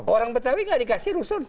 orang betawi tidak dikasih rusun